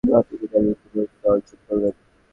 আপনি কি তার মৃত্যু পর্যন্ত অনশন করবেন?